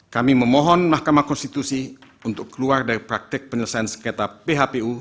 kami memohon mahkamah konstitusi untuk keluar dari praktek penyelesaian sengketa phpu